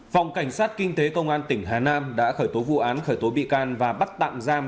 phòng cảnh sát kinh tế công an tỉnh hà nam đã khởi tố vụ án khởi tố bị can và bắt tạm giam